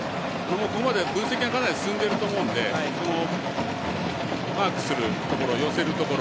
ここまで分析はかなり進んでいると思うのでマークするところ、寄せるところ